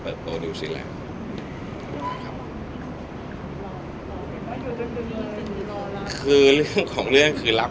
คือเรื่องของเรื่องคือ